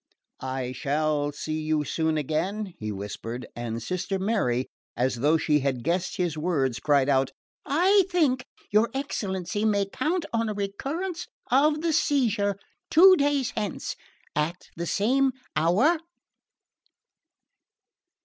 "I shall see you soon again?" he whispered; and Sister Mary, as though she had guessed his words, cried out, "I think your excellency may count on a recurrence of the seizure two days hence at the same hour!"